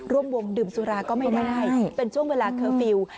ร่วมวงดื่มสุราก็ไม่ได้เป็นช่วงเวลาเคอร์ฟิลล์